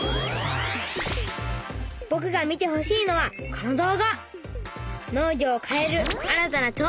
ぼくが見てほしいのはこの動画！